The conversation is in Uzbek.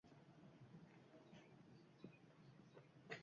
Ko‘p kitob o‘qiydigan inson olgan bilimlarini hayotida ijobiy ma’noda qo‘llaydi.